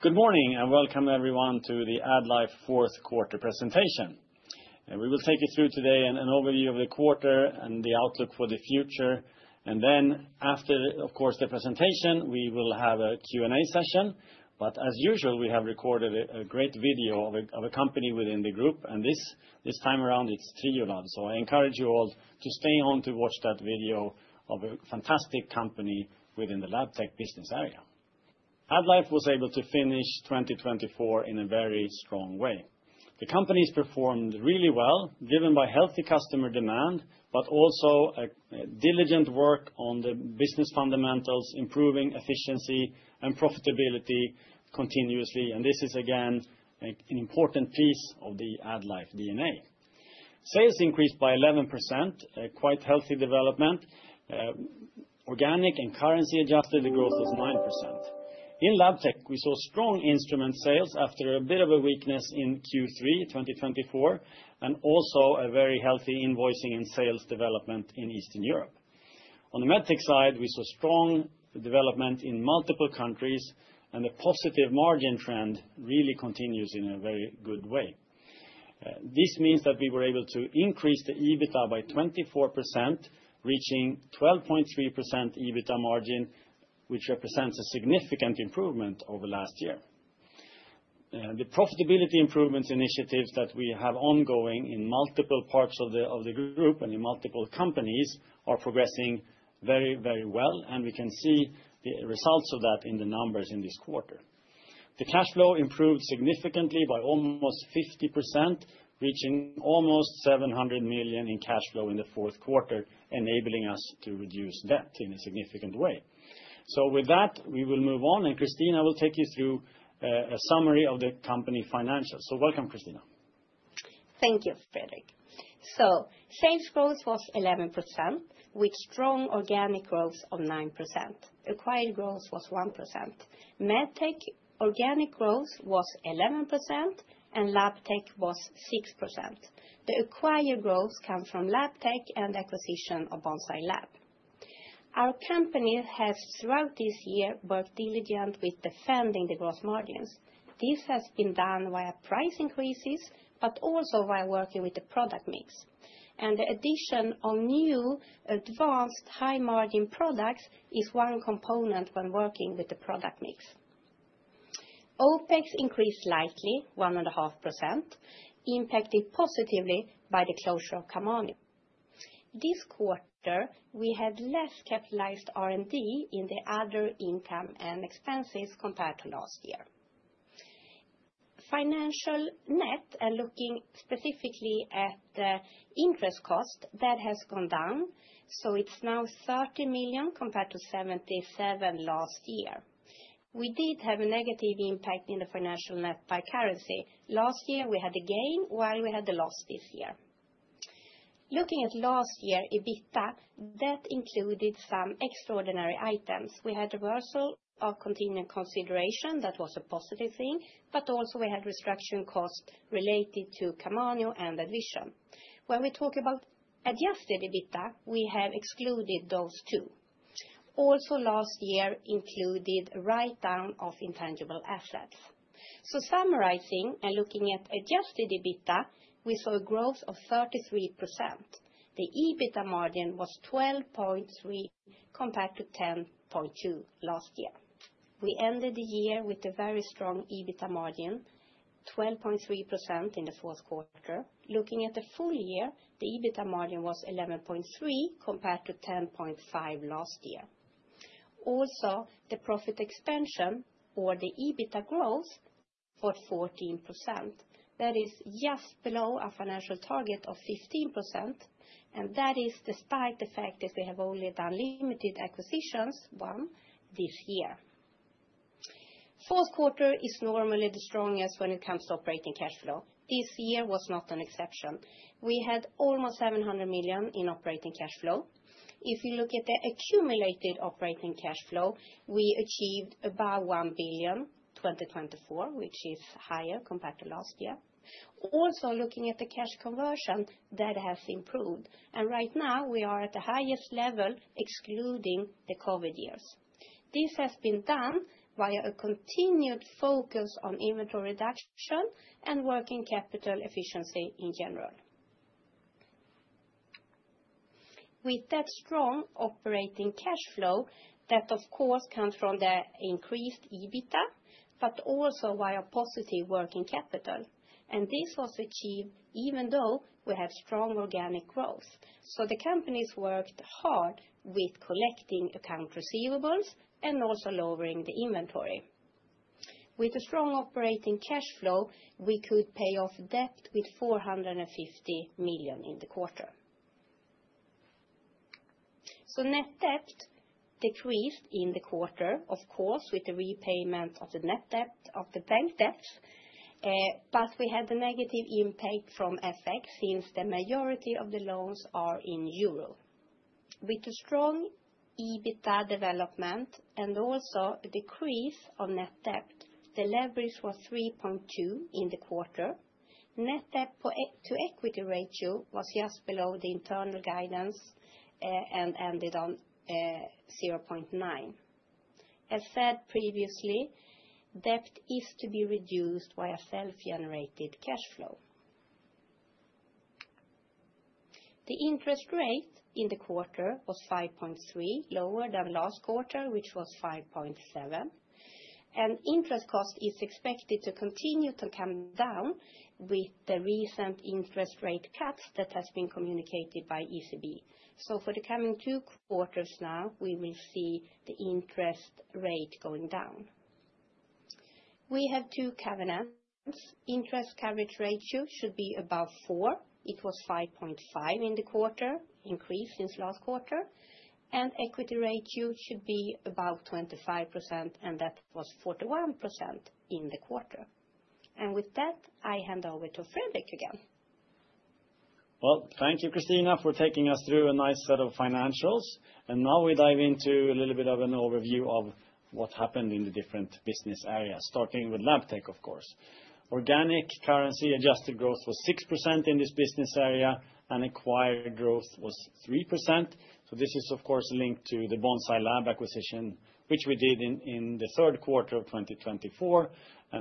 Good morning and welcome, everyone, to the AddLife Fourth Quarter Presentation. We will take you through today an overview of the quarter and the outlook for the future. And then, after, of course, the presentation, we will have a Q&A session. But as usual, we have recorded a great video of a company within the group, and this time around it's Triolab. So I encourage you all to stay on to watch that video of a fantastic company within the Labtech business area. AddLife was able to finish 2024 in a very strong way. The companies performed really well, driven by healthy customer demand, but also a diligent work on the business fundamentals, improving efficiency and profitability continuously. And this is, again, an important piece of the AddLife DNA. Sales increased by 11%, quite healthy development. Organic and currency adjusted, the growth was 9%. In Labtech, we saw strong instrument sales after a bit of a weakness in Q3 2024, and also a very healthy invoicing and sales development in Eastern Europe. On the Medtech side, we saw strong development in multiple countries, and the positive margin trend really continues in a very good way. This means that we were able to increase the EBITDA by 24%, reaching 12.3% EBITDA margin, which represents a significant improvement over last year. The profitability improvements initiatives that we have ongoing in multiple parts of the group and in multiple companies are progressing very, very well, and we can see the results of that in the numbers in this quarter. The cash flow improved significantly by almost 50%, reaching almost 700 million in cash flow in the fourth quarter, enabling us to reduce debt in a significant way. So with that, we will move on, and Christina, I will take you through a summary of the company financials. So welcome, Christina. Thank you, Fredrik. So sales growth was 11%, with strong organic growth of 9%. Acquired growth was 1%. Medtech organic growth was 11%, and Labtech was 6%. The acquired growth comes from Labtech and acquisition of Bonsai Lab. Our company has, throughout this year, worked diligently with defending the gross margins. This has been done via price increases, but also by working with the product mix. And the addition of new advanced high-margin products is one component when working with the product mix. OpEx increased slightly, 1.5%, impacted positively by the closure of Camanio. This quarter, we had less capitalized R&D in the other income and expenses compared to last year. Financial net, and looking specifically at the interest cost, that has gone down. So it's now 30 million compared to 77 million last year. We did have a negative impact in the financial net by currency. Last year, we had a gain while we had a loss this year. Looking at last year's EBITDA, that included some extraordinary items. We had a reversal of contingent consideration that was a positive thing, but also we had restructuring costs related to Camanio and AddVision. When we talk about adjusted EBITDA, we have excluded those two. Also, last year included a write-down of intangible assets. So summarizing and looking at adjusted EBITDA, we saw a growth of 33%. The EBITDA margin was 12.3% compared to 10.2% last year. We ended the year with a very strong EBITDA margin, 12.3% in the fourth quarter. Looking at the full year, the EBITDA margin was 11.3% compared to 10.5% last year. Also, the profit expansion, or the EBITDA growth, was 14%. That is just below our financial target of 15%, and that is despite the fact that we have only done limited acquisitions, one, this year. Fourth quarter is normally the strongest when it comes to operating cash flow. This year was not an exception. We had almost 700 million in operating cash flow. If you look at the accumulated operating cash flow, we achieved about 1 billion in 2024, which is higher compared to last year. Also, looking at the cash conversion, that has improved, and right now, we are at the highest level excluding the COVID years. This has been done via a continued focus on inventory reduction and working capital efficiency in general. With that strong operating cash flow, that, of course, comes from the increased EBITDA, but also via positive working capital, and this was achieved even though we had strong organic growth. The companies worked hard with collecting account receivables and also lowering the inventory. With a strong operating cash flow, we could pay off debt with 450 million in the quarter. Net debt decreased in the quarter, of course, with the repayment of the net debt of the bank debts, but we had the negative impact from FX since the majority of the loans are in euro. With the strong EBITDA development and also a decrease of net debt, the leverage was 3.2% in the quarter. Net debt to equity ratio was just below the internal guidance and ended on 0.9. As said previously, debt is to be reduced via self-generated cash flow. The interest rate in the quarter was 5.3%, lower than last quarter, which was 5.7%. Interest cost is expected to continue to come down with the recent interest rate cuts that have been communicated by ECB. For the coming two quarters now, we will see the interest rate going down. We have two caveats. Interest coverage ratio should be above 4%. It was 5.5% in the quarter, increased since last quarter. Equity ratio should be about 25%, and that was 41% in the quarter. With that, I hand over to Fredrik again. Thank you, Christina, for taking us through a nice set of financials. Now we dive into a little bit of an overview of what happened in the different business areas, starting with Labtech, of course. Organic currency adjusted growth was 6% in this business area, and acquired growth was 3%. This is, of course, linked to the Bonsai Lab acquisition, which we did in the third quarter of 2024.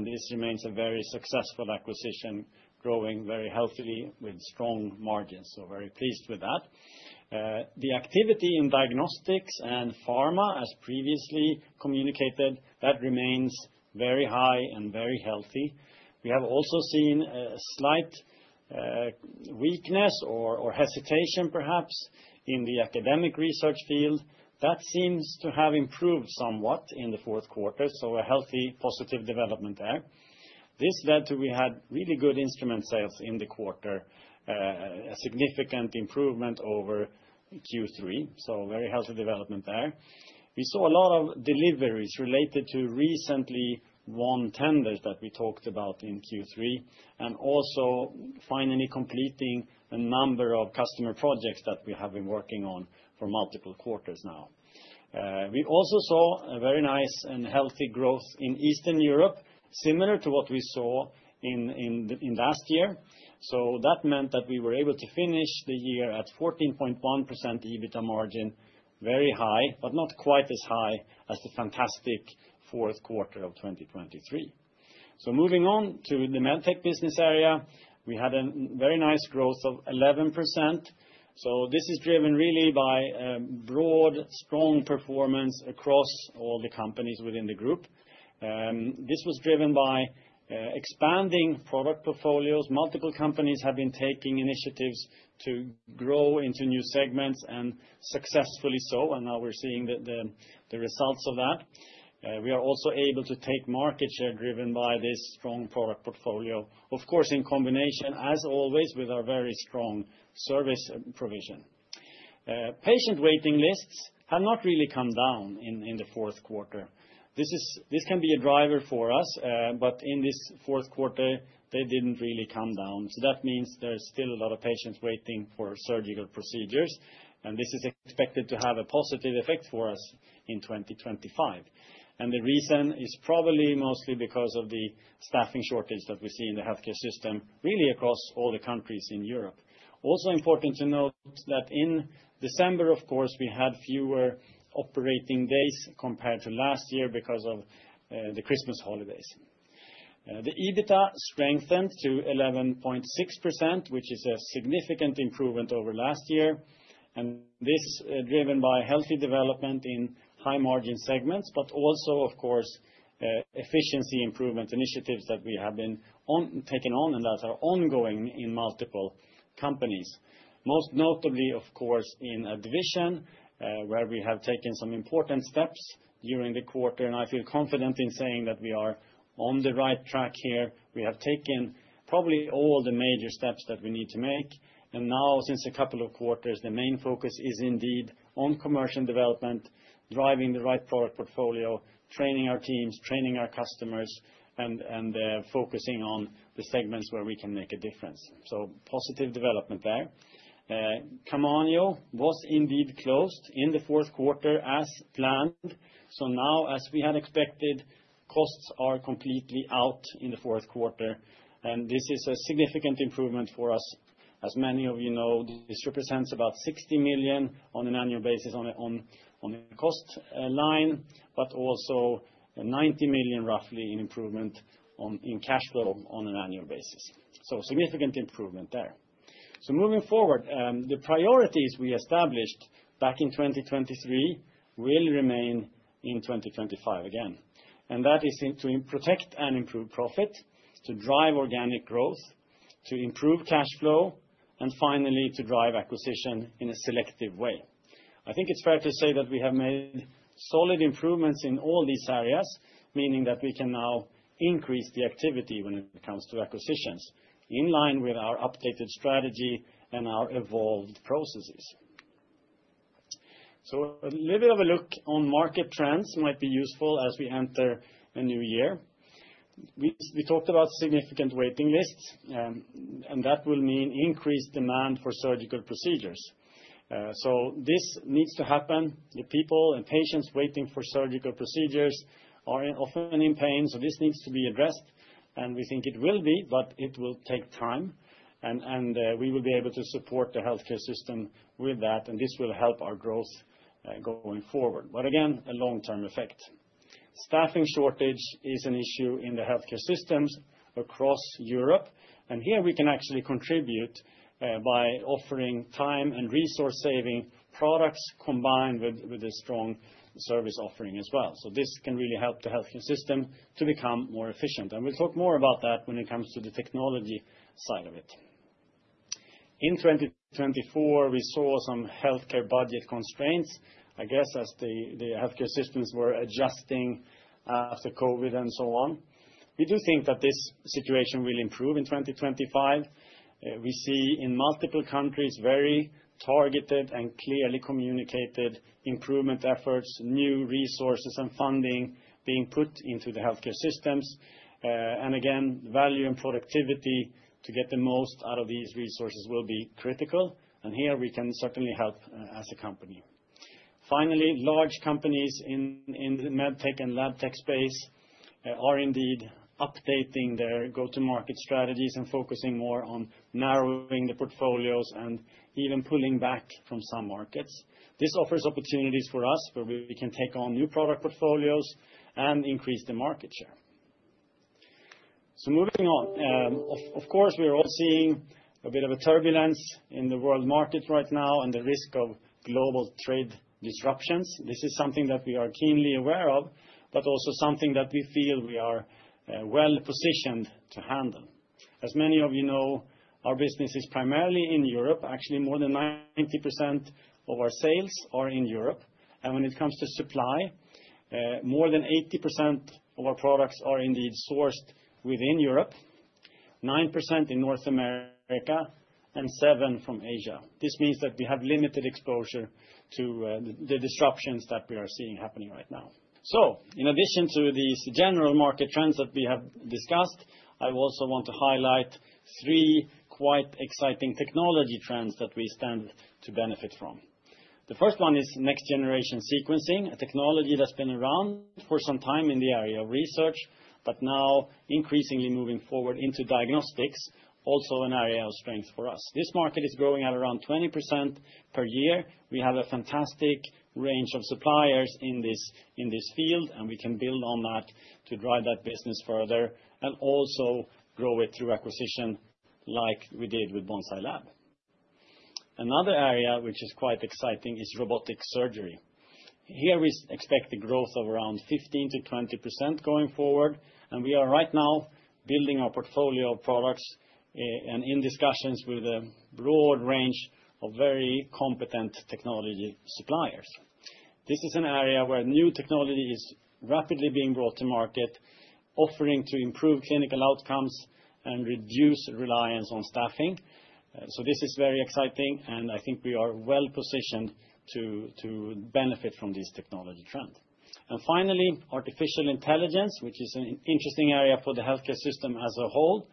This remains a very successful acquisition, growing very healthily with strong margins. Very pleased with that. The activity in diagnostics and pharma, as previously communicated, that remains very high and very healthy. We have also seen a slight weakness or hesitation, perhaps, in the academic research field. That seems to have improved somewhat in the fourth quarter. A healthy, positive development there. This led to we had really good instrument sales in the quarter, a significant improvement over Q3. So very healthy development there. We saw a lot of deliveries related to recently won tenders that we talked about in Q3, and also finally completing a number of customer projects that we have been working on for multiple quarters now. We also saw a very nice and healthy growth in Eastern Europe, similar to what we saw in last year. So that meant that we were able to finish the year at 14.1% EBITDA margin, very high, but not quite as high as the fantastic fourth quarter of 2023. So moving on to the Medtech business area, we had a very nice growth of 11%. So this is driven really by a broad, strong performance across all the companies within the group. This was driven by expanding product portfolios. Multiple companies have been taking initiatives to grow into new segments, and successfully so. And now we're seeing the results of that. We are also able to take market share driven by this strong product portfolio, of course, in combination, as always, with our very strong service provision. Patient waiting lists have not really come down in the fourth quarter. This can be a driver for us, but in this fourth quarter, they didn't really come down. So that means there's still a lot of patients waiting for surgical procedures, and this is expected to have a positive effect for us in 2025. And the reason is probably mostly because of the staffing shortage that we see in the healthcare system, really across all the countries in Europe. Also important to note that in December, of course, we had fewer operating days compared to last year because of the Christmas holidays. The EBITDA strengthened to 11.6%, which is a significant improvement over last year. And this is driven by healthy development in high-margin segments, but also, of course, efficiency improvement initiatives that we have been taking on, and that are ongoing in multiple companies. Most notably, of course, in AddVision, where we have taken some important steps during the quarter. And I feel confident in saying that we are on the right track here. We have taken probably all the major steps that we need to make. And now, since a couple of quarters, the main focus is indeed on commercial development, driving the right product portfolio, training our teams, training our customers, and focusing on the segments where we can make a difference. So positive development there. Camanio was indeed closed in the fourth quarter as planned. So now, as we had expected, costs are completely out in the fourth quarter. And this is a significant improvement for us. As many of you know, this represents about 60 million on an annual basis on the cost line, but also 90 million, roughly, in improvement in cash flow on an annual basis. So significant improvement there. So moving forward, the priorities we established back in 2023 will remain in 2025 again. And that is to protect and improve profit, to drive organic growth, to improve cash flow, and finally, to drive acquisition in a selective way. I think it's fair to say that we have made solid improvements in all these areas, meaning that we can now increase the activity when it comes to acquisitions, in line with our updated strategy and our evolved processes. So a little bit of a look on market trends might be useful as we enter a new year. We talked about significant waiting lists, and that will mean increased demand for surgical procedures. So this needs to happen. The people and patients waiting for surgical procedures are often in pain. So this needs to be addressed, and we think it will be, but it will take time. And we will be able to support the healthcare system with that, and this will help our growth going forward. But again, a long-term effect. Staffing shortage is an issue in the healthcare systems across Europe. And here we can actually contribute by offering time and resource-saving products combined with a strong service offering as well. So this can really help the healthcare system to become more efficient. We'll talk more about that when it comes to the technology side of it. In 2024, we saw some healthcare budget constraints, I guess, as the healthcare systems were adjusting after COVID and so on. We do think that this situation will improve in 2025. We see in multiple countries very targeted and clearly communicated improvement efforts, new resources and funding being put into the healthcare systems. And again, value and productivity to get the most out of these resources will be critical. And here we can certainly help as a company. Finally, large companies in the Medtech and Labtech space are indeed updating their go-to-market strategies and focusing more on narrowing the portfolios and even pulling back from some markets. This offers opportunities for us where we can take on new product portfolios and increase the market share. Moving on, of course, we are all seeing a bit of a turbulence in the world market right now and the risk of global trade disruptions. This is something that we are keenly aware of, but also something that we feel we are well positioned to handle. As many of you know, our business is primarily in Europe. Actually, more than 90% of our sales are in Europe. When it comes to supply, more than 80% of our products are indeed sourced within Europe, 9% in North America, and 7% from Asia. This means that we have limited exposure to the disruptions that we are seeing happening right now. In addition to these general market trends that we have discussed, I also want to highlight three quite exciting technology trends that we stand to benefit from. The first one is next-generation sequencing, a technology that's been around for some time in the area of research, but now increasingly moving forward into diagnostics, also an area of strength for us. This market is growing at around 20% per year. We have a fantastic range of suppliers in this field, and we can build on that to drive that business further and also grow it through acquisition like we did with Bonsai Lab. Another area, which is quite exciting, is robotic surgery. Here we expect the growth of around 15%-20% going forward, and we are right now building our portfolio of products and in discussions with a broad range of very competent technology suppliers. This is an area where new technology is rapidly being brought to market, offering to improve clinical outcomes and reduce reliance on staffing. So this is very exciting, and I think we are well positioned to benefit from this technology trend. And finally, artificial intelligence, which is an interesting area for the healthcare system as a whole.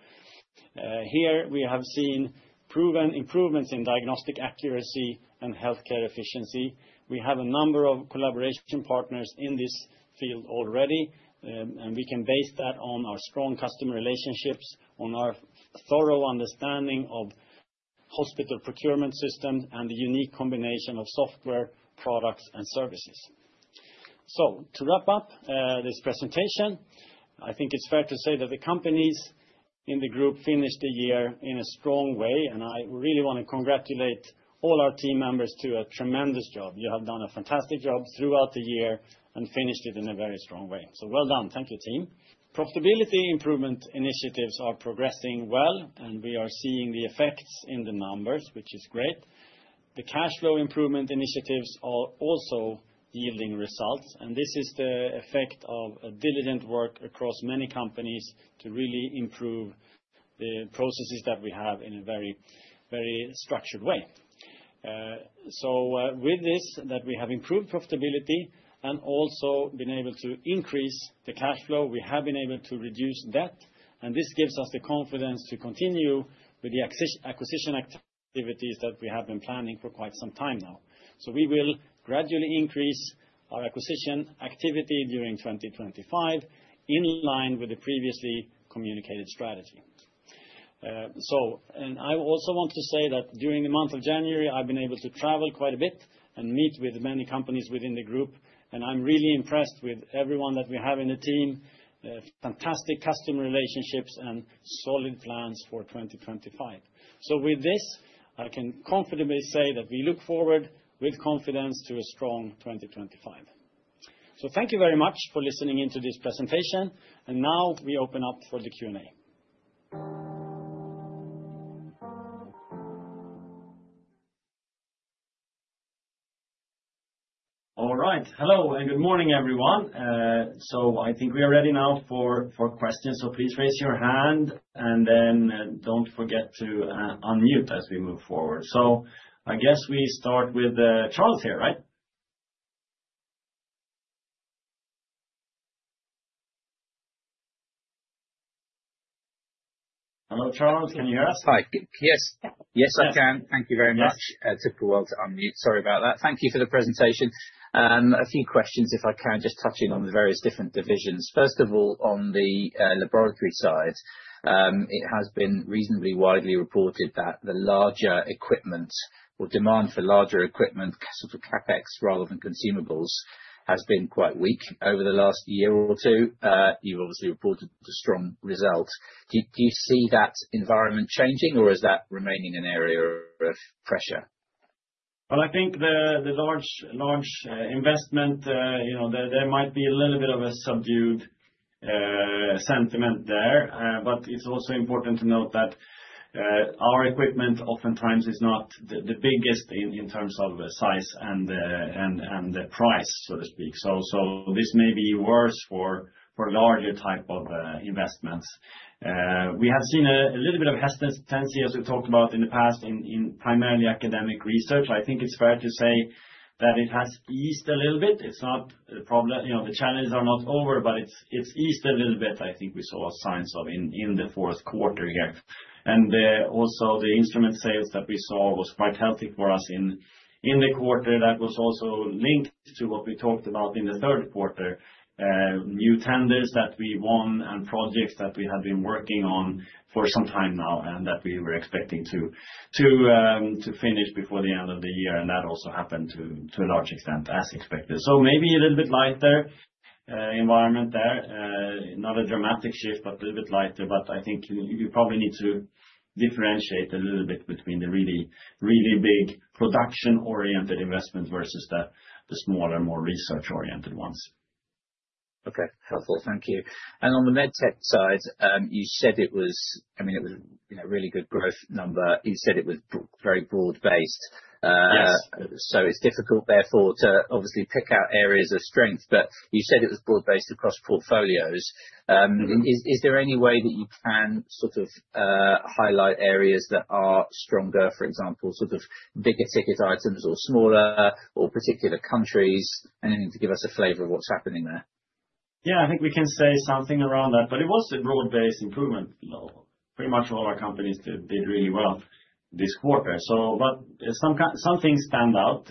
Here we have seen proven improvements in diagnostic accuracy and healthcare efficiency. We have a number of collaboration partners in this field already, and we can base that on our strong customer relationships, on our thorough understanding of hospital procurement systems and the unique combination of software products and services. So to wrap up this presentation, I think it's fair to say that the companies in the group finished the year in a strong way. And I really want to congratulate all our team members to a tremendous job. You have done a fantastic job throughout the year and finished it in a very strong way. So well done. Thank you, team. Profitability improvement initiatives are progressing well, and we are seeing the effects in the numbers, which is great. The cash flow improvement initiatives are also yielding results. And this is the effect of diligent work across many companies to really improve the processes that we have in a very, very structured way. So with this, that we have improved profitability and also been able to increase the cash flow, we have been able to reduce debt. And this gives us the confidence to continue with the acquisition activities that we have been planning for quite some time now. So we will gradually increase our acquisition activity during 2025 in line with the previously communicated strategy. And I also want to say that during the month of January, I've been able to travel quite a bit and meet with many companies within the group. I'm really impressed with everyone that we have in the team, fantastic customer relationships, and solid plans for 2025. With this, I can confidently say that we look forward with confidence to a strong 2025. Thank you very much for listening into this presentation. Now we open up for the Q&A. All right. Hello and good morning, everyone. I think we are ready now for questions. Please raise your hand, and then don't forget to unmute as we move forward. I guess we start with Charles here, right? Hello, Charles. Can you hear us? Hi. Yes. Yes, I can. Thank you very much. It took a while to unmute. Sorry about that. Thank you for the presentation. A few questions, if I can, just touching on the various different divisions. First of all, on the laboratory side, it has been reasonably widely reported that the larger equipment or demand for larger equipment, sort of CapEx rather than consumables, has been quite weak over the last year or two. You've obviously reported a strong result. Do you see that environment changing, or is that remaining an area of pressure? Well, I think the large investment, there might be a little bit of a subdued sentiment there. But it's also important to note that our equipment oftentimes is not the biggest in terms of size and price, so to speak. So this may be worse for larger types of investments. We have seen a little bit of hesitancy, as we talked about in the past, in primarily academic research. I think it's fair to say that it has eased a little bit. The challenges are not over, but it's eased a little bit. I think we saw signs of in the fourth quarter here, and also the instrument sales that we saw was quite healthy for us in the quarter. That was also linked to what we talked about in the third quarter, new tenders that we won and projects that we had been working on for some time now and that we were expecting to finish before the end of the year, and that also happened to a large extent, as expected, so maybe a little bit lighter environment there. Not a dramatic shift, but a little bit lighter, but I think you probably need to differentiate a little bit between the really, really big production-oriented investments versus the smaller, more research-oriented ones. Okay. Helpful. Thank you. On the Medtech side, you said it was, I mean, it was a really good growth number. You said it was very broad-based. It's difficult, therefore, to obviously pick out areas of strength, but you said it was broad-based across portfolios. Is there any way that you can sort of highlight areas that are stronger, for example, sort of bigger ticket items or smaller or particular countries? Anything to give us a flavor of what's happening there? Yeah, I think we can say something around that. It was a broad-based improvement. Pretty much all our companies did really well this quarter. Some things stand out.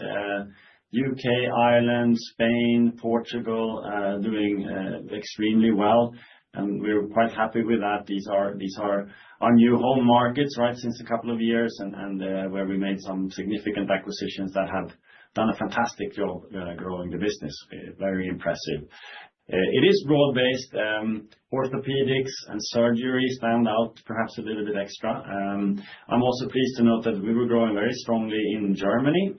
U.K., Ireland, Spain, Portugal doing extremely well. We're quite happy with that. These are our new home markets right since a couple of years and where we made some significant acquisitions that have done a fantastic job growing the business. Very impressive. It is broad-based. Orthopedics and surgery stand out perhaps a little bit extra. I'm also pleased to note that we were growing very strongly in Germany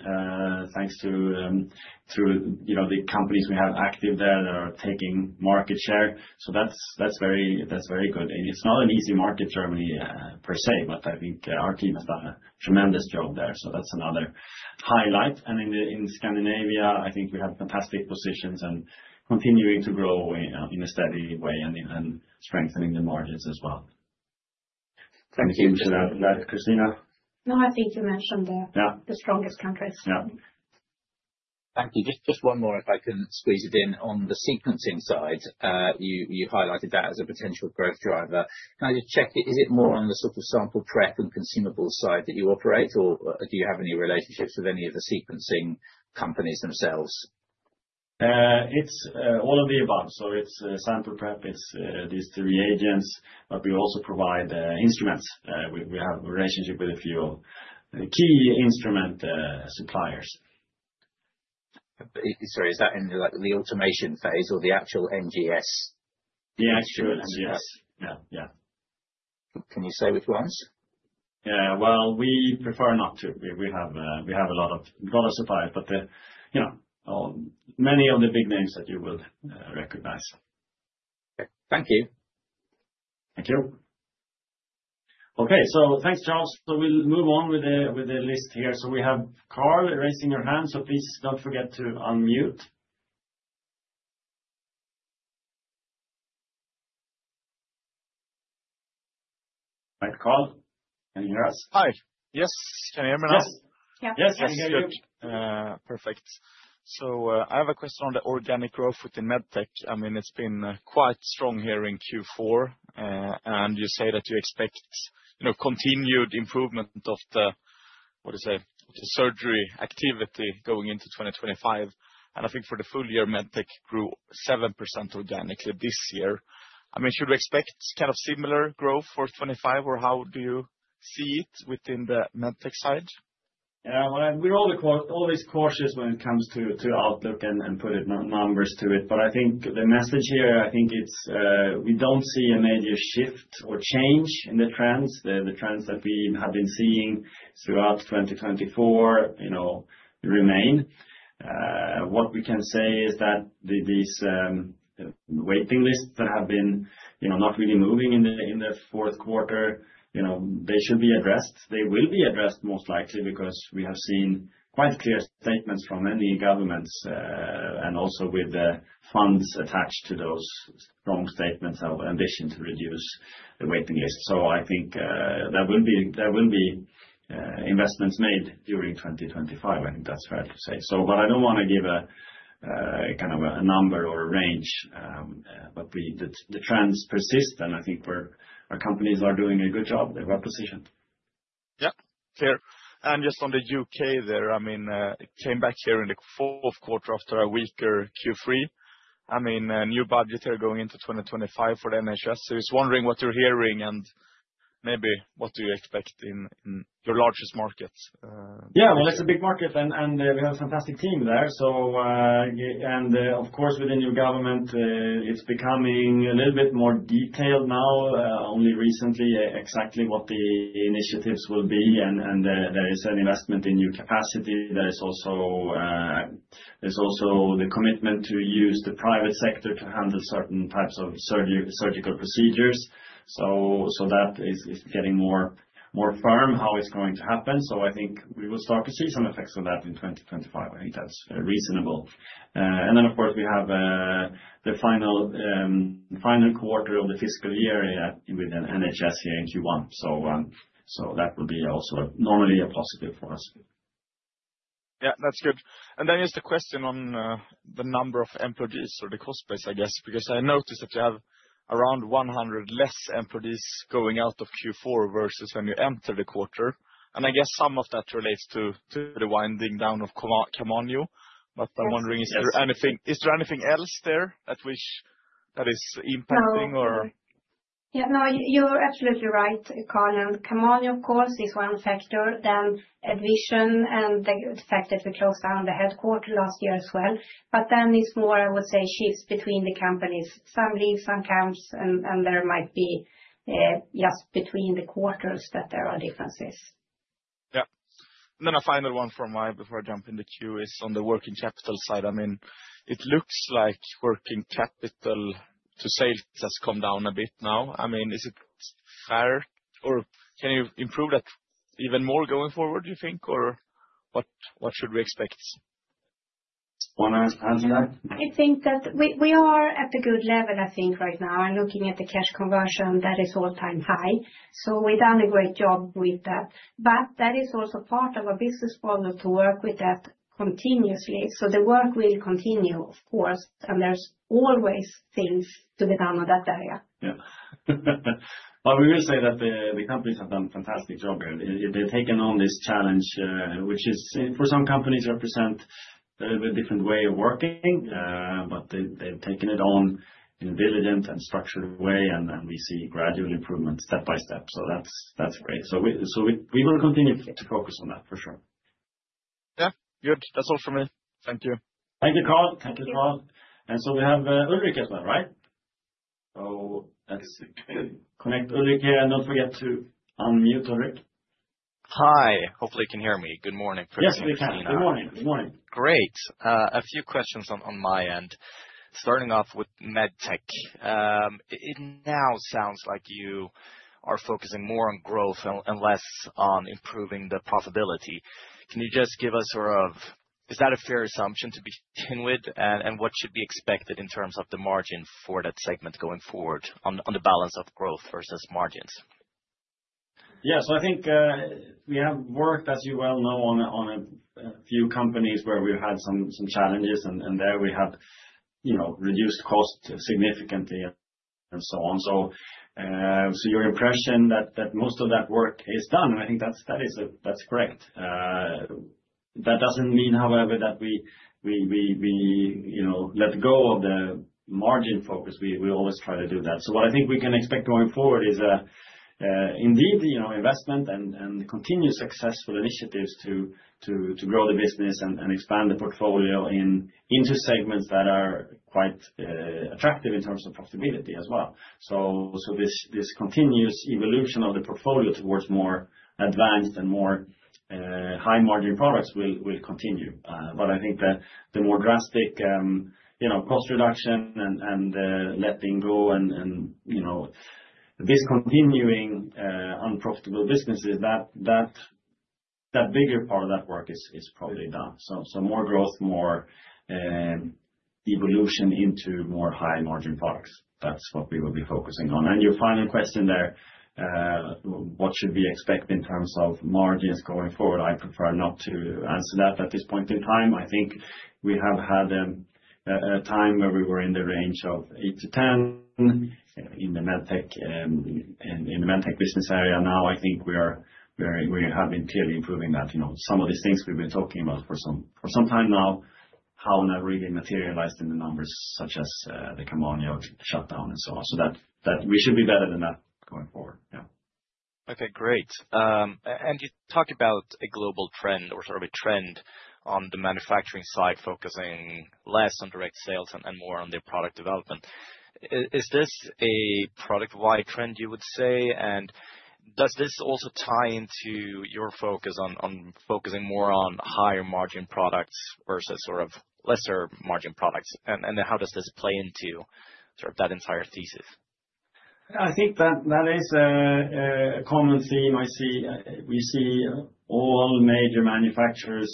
thanks to the companies we have active there that are taking market share. So that's very good. It's not an easy market, Germany, per se, but I think our team has done a tremendous job there. So that's another highlight and in Scandinavia, I think we have fantastic positions and continuing to grow in a steady way and strengthening the margins as well. Thank you. Christina? No, I think you mentioned the strongest countries. Yeah. Thank you. Just one more, if I can squeeze it in. On the sequencing side, you highlighted that as a potential growth driver. Can I just check? Is it more on the sort of sample prep and consumables side that you operate, or do you have any relationships with any of the sequencing companies themselves? It's all of the above. So it's sample prep, these reagents, but we also provide instruments. We have a relationship with a few key instrument suppliers. Sorry, is that in the automation phase or the actual NGS? The actual NGS. Yeah. Yeah. Can you say which ones? Yeah. Well, we prefer not to. We have a lot of suppliers, but many of the big names that you will recognize. Okay. Thank you. Thank you. Okay. So thanks, Charles. So we'll move on with the list here. So we have Karl raising your hand. So please don't forget to unmute. Hi, Karl. Can you hear us? Hi. Yes. Can you hear me now? Yes. Yes. Perfect. So I have a question on the organic growth within med tech. I mean, it's been quite strong here in Q4. And you say that you expect continued improvement of the, what do you say, of the surgery activity going into 2025. And I think for the full year, med tech grew 7% organically this year. I mean, should we expect kind of similar growth for 2025, or how do you see it within the med tech side? Yeah. We're always cautious when it comes to outlook and put numbers to it. But I think the message here, I think we don't see a major shift or change in the trends. The trends that we have been seeing throughout 2024 remain. What we can say is that these waiting lists that have been not really moving in the fourth quarter, they should be addressed. They will be addressed most likely because we have seen quite clear statements from many governments and also with the funds attached to those strong statements of ambition to reduce the waiting list. So I think there will be investments made during 2025. I think that's fair to say. But I don't want to give kind of a number or a range, but the trends persist. And I think our companies are doing a good job. They're well positioned. Yeah. Clear. And just on the U.K. there, I mean, it came back here in the fourth quarter after a weaker Q3. I mean, new budgets are going into 2025 for the NHS. So I was wondering what you're hearing and maybe what do you expect in your largest market? Yeah. I mean, it's a big market, and we have a fantastic team there. And of course, with the new government, it's becoming a little bit more detailed now, only recently, exactly what the initiatives will be. And there is an investment in new capacity. There is also the commitment to use the private sector to handle certain types of surgical procedures. So that is getting more firm how it's going to happen. So I think we will start to see some effects of that in 2025. I think that's reasonable. And then, of course, we have the final quarter of the fiscal year with NHS here in Q1. So that will be also normally a positive for us. Yeah. That's good. Then just a question on the number of employees or the cost base, I guess, because I noticed that you have around 100 less employees going out of Q4 versus when you enter the quarter. And I guess some of that relates to the winding down of Camanio. But I'm wondering, is there anything else there that is impacting or? Yeah. No, you're absolutely right, Karl. And Camanio, of course, is one factor. Then AddVision and the fact that we closed down the headquarters last year as well. But then it's more, I would say, shifts between the companies. Some leave, some come, and there might be just between the quarters that there are differences. Yeah. And then a final one from me before I jump in the queue is on the working capital side. I mean, it looks like working capital to sales has come down a bit now. I mean, is it fair or can you improve that even more going forward, do you think, or what should we expect? Want to answer that? I think that we are at a good level, I think, right now. And looking at the cash conversion, that is an all-time high. So we've done a great job with that. But that is also part of our business model to work with that continuously. So the work will continue, of course. And there's always things to be done on that area. Yeah. Well, we will say that the companies have done a fantastic job here. They've taken on this challenge, which is for some companies represent a different way of working, but they've taken it on in a diligent and structured way. And we see gradual improvement step by step. So that's great. So we will continue to focus on that, for sure. Yeah. Good. That's all for me. Thank you. Thank you, Karl. Thank you, Charles. And so we have Ulrik as well, right? So let's connect Ulrik here and don't forget to unmute, Ulrik. Hi. Hopefully, you can hear me. Good morning, Christina. Yes, we can. Good morning. Good morning. Great. A few questions on my end. Starting off with Medtech. It now sounds like you are focusing more on growth and less on improving the profitability. Can you just give us sort of, is that a fair assumption to begin with? And what should be expected in terms of the margin for that segment going forward on the balance of growth versus margins? Yeah. So I think we have worked, as you well know, on a few companies where we've had some challenges. And there we have reduced costs significantly and so on. So your impression that most of that work is done, I think that is correct. That doesn't mean, however, that we let go of the margin focus. We always try to do that. So what I think we can expect going forward is indeed investment and continued successful initiatives to grow the business and expand the portfolio into segments that are quite attractive in terms of profitability as well. So this continuous evolution of the portfolio towards more advanced and more high-margin products will continue. But I think the more drastic cost reduction and letting go and this continuing unprofitable businesses, that bigger part of that work is probably done. So more growth, more evolution into more high-margin products. That's what we will be focusing on. And your final question there, what should we expect in terms of margins going forward? I prefer not to answer that at this point in time. I think we have had a time where we were in the range of 8-10 in the Medtech business area. Now, I think we have been clearly improving that. Some of these things we've been talking about for some time now, how not really materialized in the numbers such as the Camanio shutdown and so on. So we should be better than that going forward. Yeah. Okay. Great. And you talked about a global trend or sort of a trend on the manufacturing side focusing less on direct sales and more on their product development. Is this a product-wide trend, you would say? Does this also tie into your focus on focusing more on higher-margin products versus sort of lesser-margin products? And how does this play into sort of that entire thesis? I think that is a common theme I see. We see all major manufacturers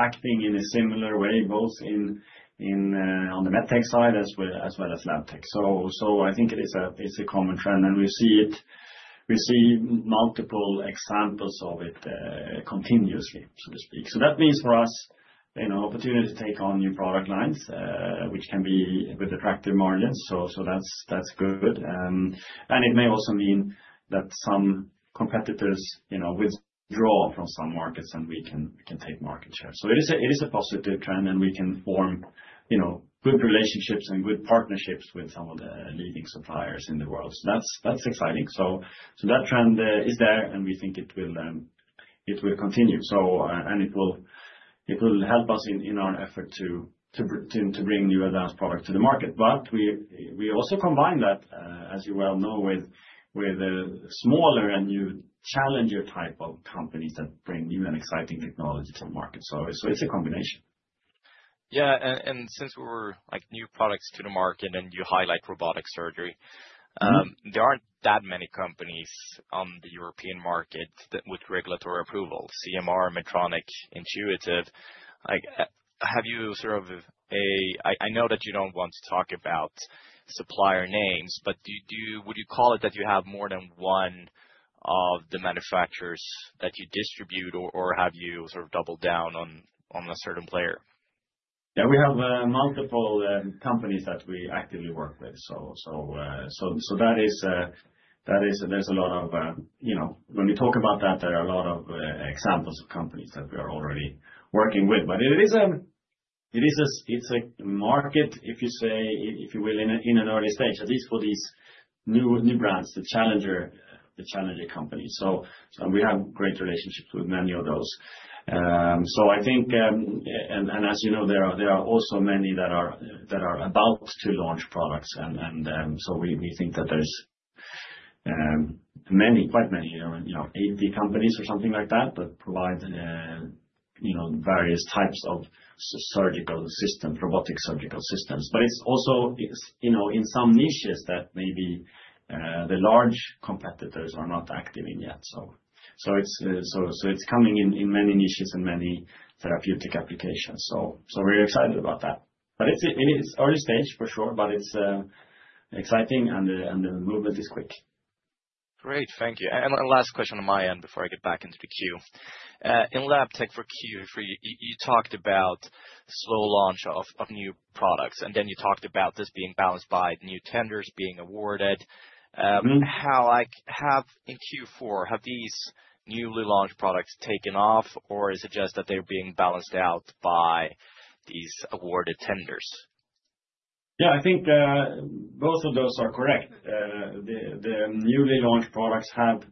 acting in a similar way, both on the Medtech side as well as Labtech. So I think it is a common trend. And we see multiple examples of it continuously, so to speak. So that means for us an opportunity to take on new product lines, which can be with attractive margins. So that's good. And it may also mean that some competitors withdraw from some markets and we can take market share. So it is a positive trend, and we can form good relationships and good partnerships with some of the leading suppliers in the world. So that's exciting. So that trend is there, and we think it will continue. And it will help us in our effort to bring new advanced products to the market. But we also combine that, as you well know, with smaller and new challenger type of companies that bring new and exciting technology to the market. So it's a combination. Yeah. And since we were new products to the market, and you highlight robotic surgery, there aren't that many companies on the European market with regulatory approval: CMR, Medtronic, Intuitive. Have you sort of a—I know that you don't want to talk about supplier names, but would you call it that you have more than one of the manufacturers that you distribute, or have you sort of doubled down on a certain player? Yeah. We have multiple companies that we actively work with. So there's a lot of, when we talk about that, there are a lot of examples of companies that we are already working with. But it is a market, if you will, in an early stage, at least for these new brands, the challenger companies. So we have great relationships with many of those. So I think, and as you know, there are also many that are about to launch products. And so we think that there's quite many, 80 companies or something like that that provide various types of surgical systems, robotic surgical systems. But it's also in some niches that maybe the large competitors are not active in yet. So it's coming in many niches and many therapeutic applications. So we're excited about that. But it's early stage, for sure, but it's exciting, and the movement is quick. Great. Thank you. Last question on my end before I get back into the queue. In Labtech for Q3, you talked about slow launch of new products. And then you talked about this being balanced by new tenders being awarded. In Q4, have these newly launched products taken off, or is it just that they're being balanced out by these awarded tenders? Yeah. I think both of those are correct. The newly launched products have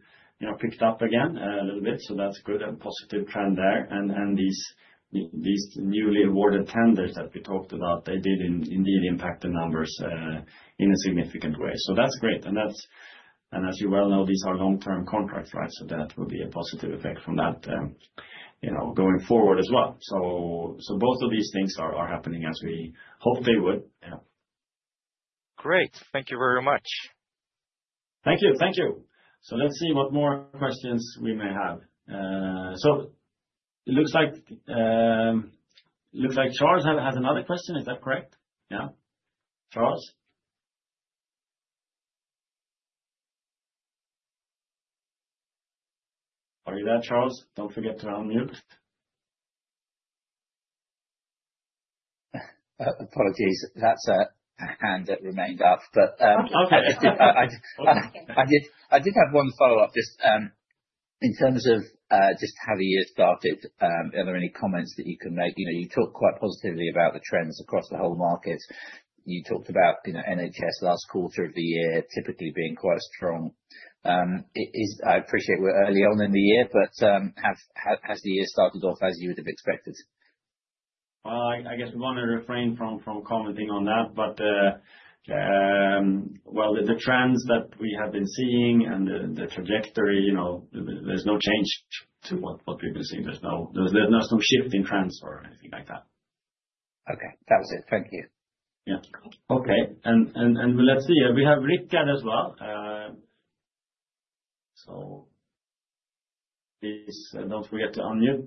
picked up again a little bit. So that's a good and positive trend there. And these newly awarded tenders that we talked about, they did indeed impact the numbers in a significant way. So that's great. And as you well know, these are long-term contracts, right? So that will be a positive effect from that going forward as well. So both of these things are happening as we hoped they would. Yeah. Great. Thank you very much. Thank you. Thank you. So let's see what more questions we may have. So it looks like Charles has another question. Is that correct? Yeah? Charles? Are you there, Charles? Don't forget to unmute. Apologies. That's a hand that remained up. But I did have one follow-up. Just in terms of just how the year started, are there any comments that you can make? You talked quite positively about the trends across the whole market. You talked about NHS last quarter of the year typically being quite strong. I appreciate we're early on in the year, but has the year started off as you would have expected? I guess we want to refrain from commenting on that. But, well, the trends that we have been seeing and the trajectory, there's no change to what people are seeing. There's no shift in trends or anything like that. Okay. That was it. Thank you. Yeah. Okay, and let's see. We have as well. So please don't forget to unmute,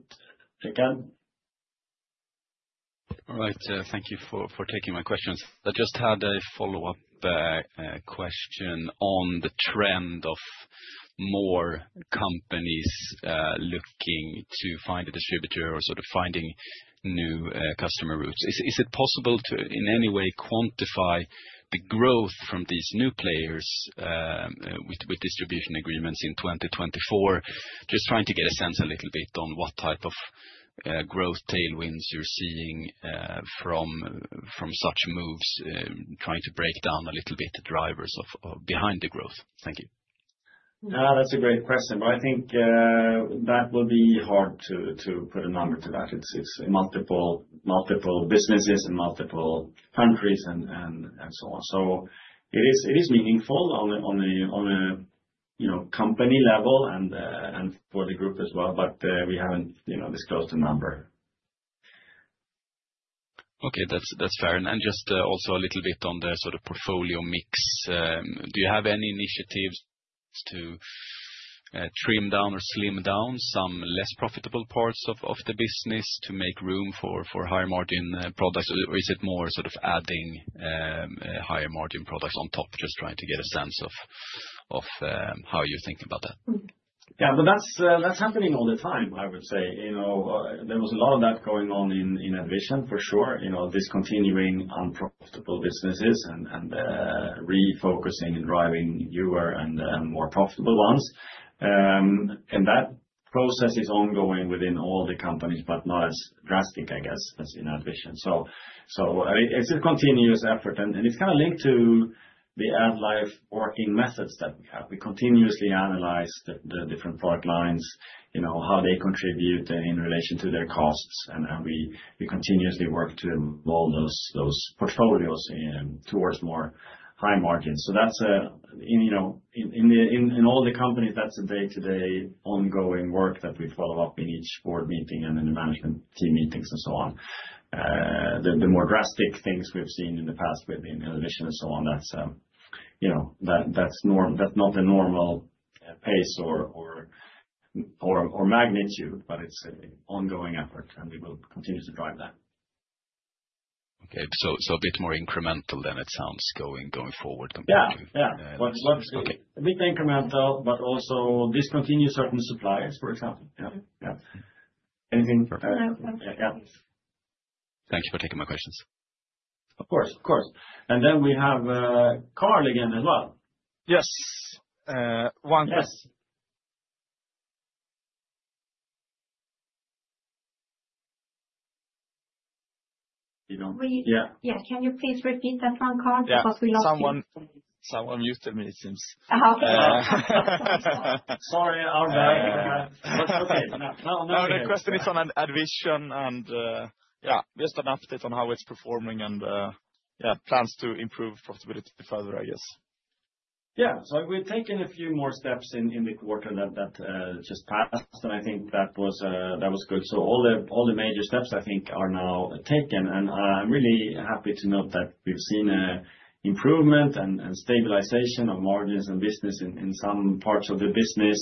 Rickard. All right. Thank you for taking my questions. I just had a follow-up question on the trend of more companies looking to find a distributor or sort of finding new customer routes. Is it possible to, in any way, quantify the growth from these new players with distribution agreements in 2024? Just trying to get a sense a little bit on what type of growth tailwinds you're seeing from such moves, trying to break down a little bit the drivers behind the growth. Thank you. That's a great question, but I think that will be hard to put a number to that. It's multiple businesses and multiple countries and so on. It is meaningful on a company level and for the group as well, but we haven't disclosed a number. Okay. That's fair. Just also a little bit on the sort of portfolio mix. Do you have any initiatives to trim down or slim down some less profitable parts of the business to make room for higher-margin products? Or is it more sort of adding higher-margin products on top, just trying to get a sense of how you think about that? Yeah. That's happening all the time, I would say. There was a lot of that going on in AddVision, for sure. Discontinuing unprofitable businesses and refocusing and driving newer and more profitable ones. That process is ongoing within all the companies, but not as drastic, I guess, as in AddVision. It's a continuous effort. It's kind of linked to the AddLife working methods that we have. We continuously analyze the different product lines, how they contribute in relation to their costs. And we continuously work to evolve those portfolios towards more high margins. So in all the companies, that's a day-to-day ongoing work that we follow up in each board meeting and in the management team meetings and so on. The more drastic things we've seen in the past within AddVision and so on, that's not the normal pace or magnitude, but it's an ongoing effort, and we will continue to drive that. Okay. So a bit more incremental than it sounds going forward compared to. Yeah. Yeah. Yeah. It's a bit incremental, but also discontinue certain suppliers, for example. Yeah. Yeah. Anything? Perfect. Yeah. Yeah. Thank you for taking my questions. Of course. Of course. And then we have Karl again as well. Yes. One question. Yeah. Can you please repeat that one, Karl? Because we lost you. Someone muted me, it seems. Sorry. Our bad. That's okay. No. The question is on AddVision and yeah, just an update on how it's performing and plans to improve profitability further, I guess. Yeah. So we've taken a few more steps in the quarter that just passed, and I think that was good. So all the major steps, I think, are now taken. And I'm really happy to note that we've seen improvement and stabilization of margins and business in some parts of the business.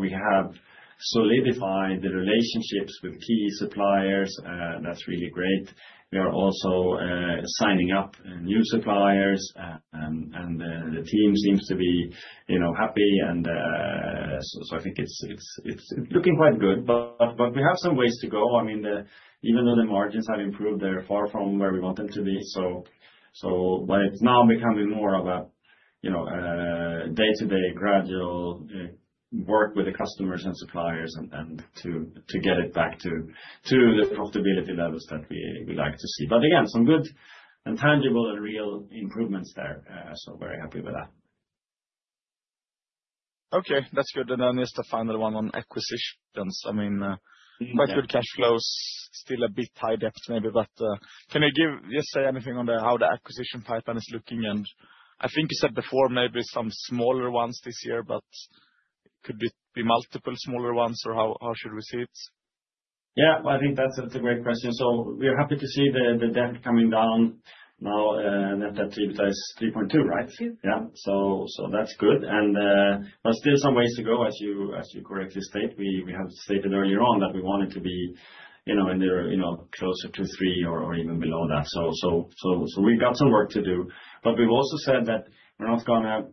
We have solidified the relationships with key suppliers. That's really great. We are also signing up new suppliers, and the team seems to be happy. And so I think it's looking quite good, but we have some ways to go. I mean, even though the margins have improved, they're far from where we want them to be. So it's now becoming more of a day-to-day gradual work with the customers and suppliers and to get it back to the profitability levels that we'd like to see. But again, some good and tangible and real improvements there. So very happy with that. Okay. That's good. And then just the final one on acquisitions. I mean, quite good cash flows, still a bit high debt maybe. But can you just say anything on how the acquisition pipeline is looking? And I think you said before maybe some smaller ones this year, but could it be multiple smaller ones, or how should we see it? Yeah. I think that's a great question. So we're happy to see the debt coming down now, net debt to EBITDA is 3.2, right? Yeah. So that's good. But still some ways to go, as you correctly state. We have stated earlier on that we want it to be in the closer to three or even below that. So we've got some work to do. But we've also said that we're not going to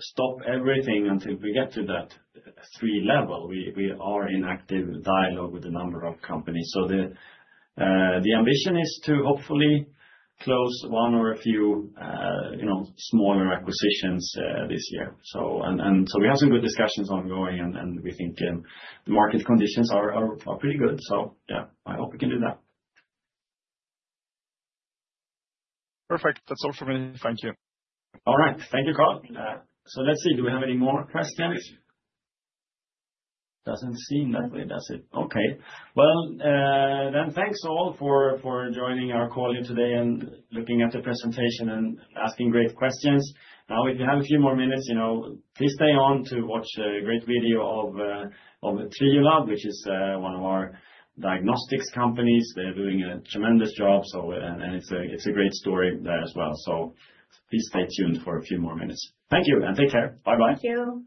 stop everything until we get to that three level. We are in active dialogue with a number of companies. So the ambition is to hopefully close one or a few smaller acquisitions this year. And so we have some good discussions ongoing, and we think the market conditions are pretty good. So yeah, I hope we can do that. Perfect. That's all from me. Thank you. All right. Thank you, Karl. So let's see. Do we have any more questions? Doesn't seem that way. That's it. Okay. Well, then thanks all for joining our call here today and looking at the presentation and asking great questions. Now, if you have a few more minutes, please stay on to watch a great video of Triolab, which is one of our diagnostics companies. They're doing a tremendous job, and it's a great story there as well. So please stay tuned for a few more minutes. Thank you, and take care. Bye-bye. Thank you.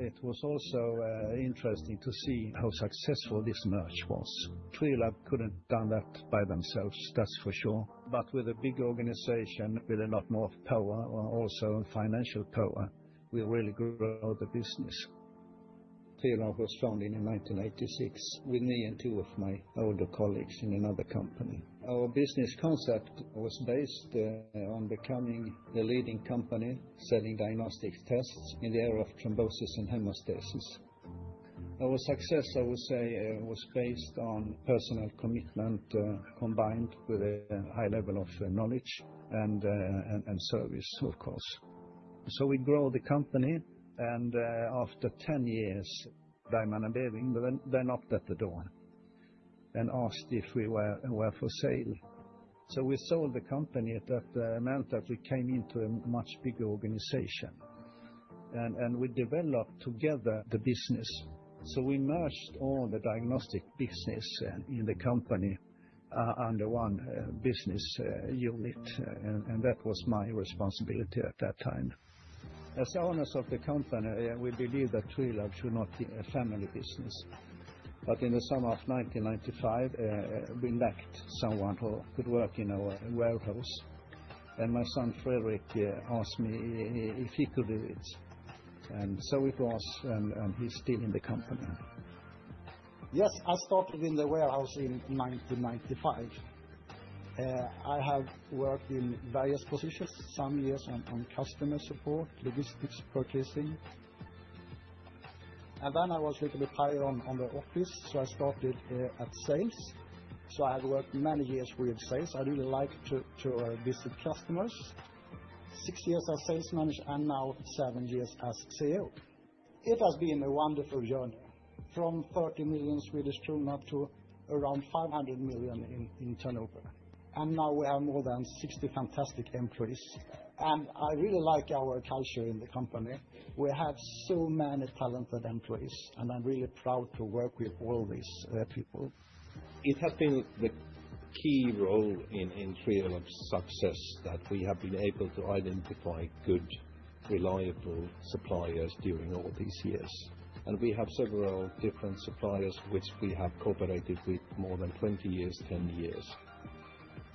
It was also interesting to see how successful this merger was. Triolab couldn't have done that by themselves, that's for sure. But with a big organization with a lot more power, also financial power, we really grew the business. Triolab was founded in 1986 with me and two of my older colleagues in another company. Our business concept was based on becoming the leading company selling diagnostic tests in the area of thrombosis and hemostasis. Our success, I would say, was based on personal commitment combined with a high level of knowledge and service, of course. So we grew the company, and after 10 years, Bergman & Beving, they knocked at the door and asked if we were for sale. So we sold the company at that amount that we came into a much bigger organization. And we developed together the business. So we merged all the diagnostic business in the company under one business unit, and that was my responsibility at that time. As owners of the company, we believed that Triolab should not be a family business. But in the summer of 1995, we lacked someone who could work in our warehouse. And my son, Fredrik, asked me if he could do it. And so it was, and he's still in the company. Yes, I started in the warehouse in 1995. I have worked in various positions, some years on customer support, logistics, purchasing. Then I was a little bit higher on the office, so I started at sales. I have worked many years with sales. I really like to visit customers. Six years as sales manager and now seven years as CEO. It has been a wonderful journey. From 30 million Swedish kronor to around 500 million in turnover. Now we have more than 60 fantastic employees. I really like our culture in the company. We have so many talented employees, and I'm really proud to work with all these people. It has been the key role in Triolab's success that we have been able to identify good, reliable suppliers during all these years. We have several different suppliers which we have cooperated with more than 20 years, 10 years.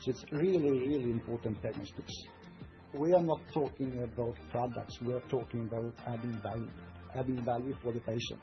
It's really, really important diagnostics. We are not talking about products. We are talking about adding value, adding value for the patient.